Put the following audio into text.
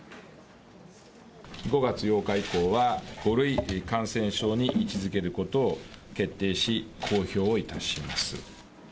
５月８日以降は、５類感染症に位置づけることを決定し、公表をいたします。